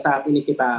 saat ini kita rasakan